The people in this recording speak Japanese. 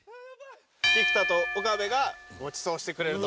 菊田と岡部がごちそうしてくれると。